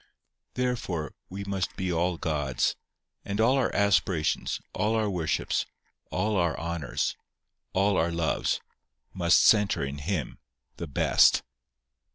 Therefore, we must be all God's; and all our aspirations, all our worships, all our honours, all our loves, must centre in Him, the Best.